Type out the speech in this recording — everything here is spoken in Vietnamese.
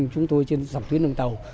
của chúng tôi trên dòng tuyến đường tàu